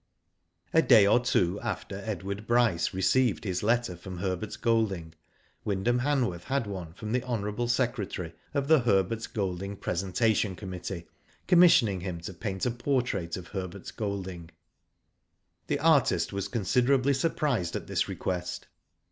A day or two after Edward Bryce received his letter from Herbert Golding, Wyndham Han worth had one from the hon. secretary of the Herbert Golding Presentation Committee " commissioning him to paint a portrait of Herbert Golding. The artist was considerably surprised at this request.